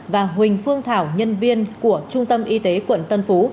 và huỳnh phương thảo nhân viên của trung tâm y tế quận tân phú